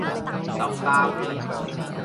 壽包